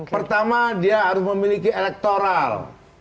pertama dia harus memiliki elektoral